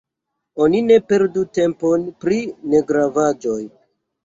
Oni ne perdu tempon pri negravaĵoj.